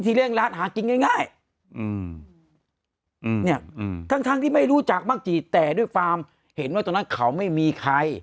แต่ด้วยฟาร์มเห็นว่าตรงนั้นเขาไม่มีใคร